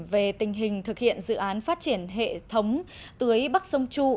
về tình hình thực hiện dự án phát triển hệ thống tưới bắc sông chu